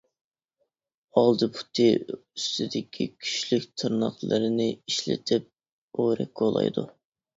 ئالدى پۇتى ئۈستىدىكى كۈچلۈك تىرناقلىرىنى ئىشلىتىپ ئورەك كولايدۇ.